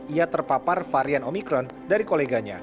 ia terpapar varian omikron dari koleganya